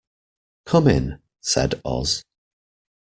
"Come in," said Oz.